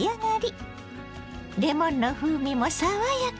レモンの風味も爽やか。